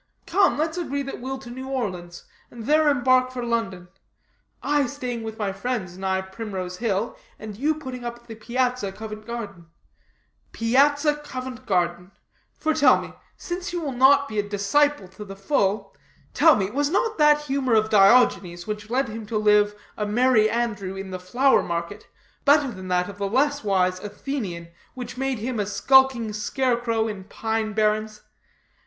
Come, let's agree that we'll to New Orleans, and there embark for London I staying with my friends nigh Primrose hill, and you putting up at the Piazza, Covent Garden Piazza, Covent Garden; for tell me since you will not be a disciple to the full tell me, was not that humor, of Diogenes, which led him to live, a merry andrew, in the flower market, better than that of the less wise Athenian, which made him a skulking scare crow in pine barrens?